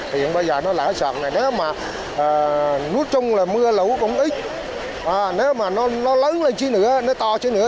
hiện bây giờ nó lỡ sợn này nếu mà nút chung là mưa lũ cũng ít nếu mà nó lớn lên chứ nữa nó to chứ nữa